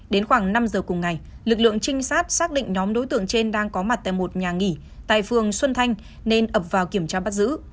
đến khoảng năm giờ cùng ngày lực lượng trinh sát xác định nhóm đối tượng trên đang có mặt tại một nhà nghỉ tại phường xuân thanh nên ập vào kiểm tra bắt giữ